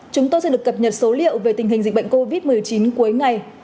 chúng tôi sẽ được cập nhật số liệu về tình hình dịch bệnh covid một mươi chín cuối ngày